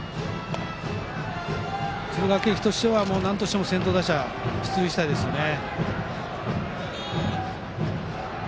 敦賀気比としてはなんとしても先頭打者出塁したいですよね。